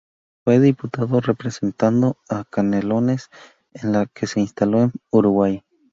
Fue diputado representando a Canelones en la que se instaló en Uruguay.